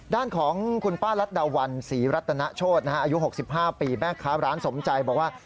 ด้านของคุณป้ารัฐดาวันศรีรัตนโชธอายุ๖๕ปีแม่ค้าร้านสมใจบอกว่า